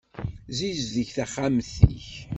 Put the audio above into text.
Sizdeg taxxamt-ik.